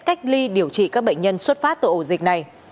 cách ly điều trị các bệnh nhân xuất phát từ ổ dịch này